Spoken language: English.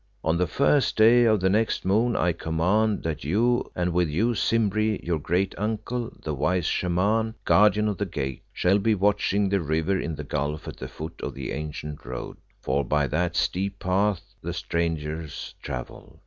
On the first day of the next moon, I command that you and with you Simbri, your great uncle, the wise Shaman, Guardian of the Gate, shall be watching the river in the gulf at the foot of the ancient road, for by that steep path the strangers travel.